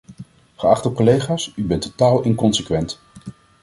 Geachte collega's, u bent totaal inconsequent.